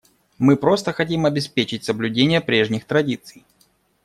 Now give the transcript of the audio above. Мы просто хотим обеспечить соблюдение прежних традиций.